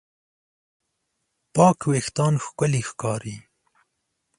پاک وېښتيان ښکلي ښکاري.